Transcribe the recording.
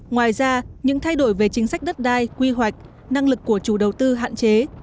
ngoài ra những thay đổi về chính sách đất đai quy hoạch năng lực của chủ đầu tư hạn chế